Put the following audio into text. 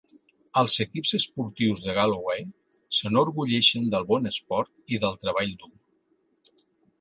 Els equips esportius de Galloway s'enorgulleixen del bon esport i del treball dur.